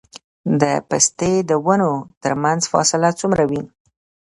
د پستې د ونو ترمنځ فاصله څومره وي؟